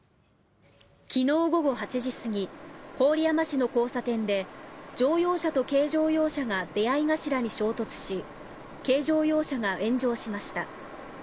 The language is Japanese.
昨日午後８時過ぎ郡山市の交差点で乗用車と軽乗用車が出合い頭に衝突し軽乗用車が炎上しました。